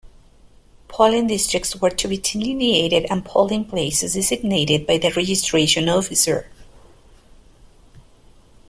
Polling districts were to be delineated and polling places designated by the registration officer.